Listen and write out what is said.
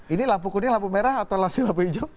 ini lampu kuning lampu merah atau lampu lampu hijau